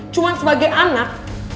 cuma sebagai anak